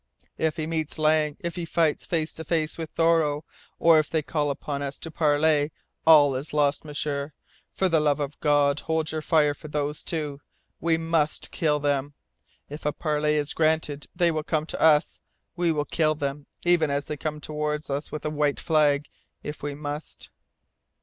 "If he meets Lang, if he fights face to face with Thoreau, or if they call upon us to parley, all is lost! M'sieur, for the love of God, hold your fire for those two! We must kill them. If a parley is granted, they will come to us. We will kill them even as they come toward us with a white flag, if we must!"